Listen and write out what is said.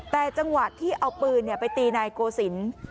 แต่จังหวะที่เอาปืนไปตีนายโกศิลป์